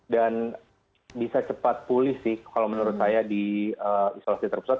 dan bisa cepat pulih sih kalau menurut saya di isolasi terpusat